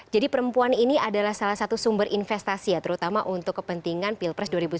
jadi perempuan ini adalah salah satu sumber investasi ya terutama untuk kepentingan pilpres dua ribu sembilan belas